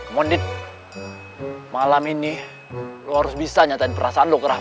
monit malam ini lu harus bisa nyatain perasaan lu ke rahma